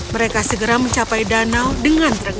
mereka segera mencapai danau menuju ke tempat yang lebih jauh